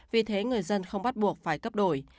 vì thế người dân không bắt buộc phải cấp đổi